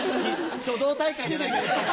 書道大会じゃないから。